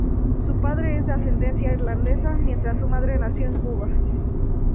Su padre es de ascendencia irlandesa mientras su madre nació en Cuba.